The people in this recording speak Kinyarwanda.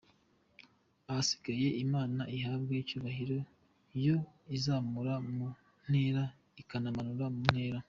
Ahasigaye Imana ihabwe icyubahiro yo izamura mu ntera ikanamanura mu ntera.